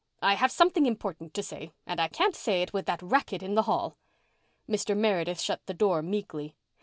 "I have something important to say, and I can't say it with that racket in the hall." Mr. Meredith shut the door meekly.